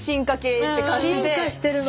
進化してるの。